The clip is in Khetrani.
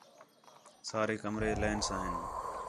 سارے کمرے لین ساں ہین